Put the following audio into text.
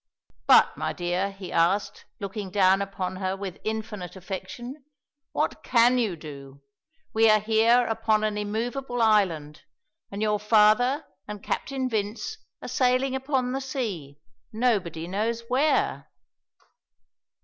"But, my dear," he asked, looking down upon her with infinite affection, "what can you do? We are here upon an immovable island, and your father and Captain Vince are sailing upon the sea, nobody knows where."